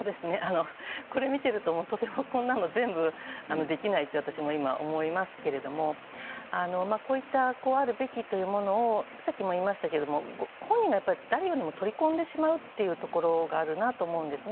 これを見ていると、とてもこれを全部できないと私も今、思いますけどこういったこうあるべきというものさっきも言いましたけど本人が誰よりも取り込んでしまうところがあるかと思います。